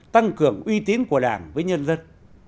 tăng cường uy tín của đảng với nhân dân